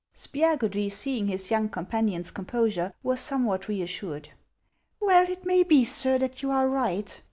Spiagudry, seeing his young companion's composure, was somewhat reassured. " Well, it may be, sir, that you are rioht.